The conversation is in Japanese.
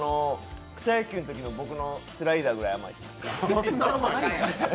草野球のときの僕のスライダーぐらい甘いです。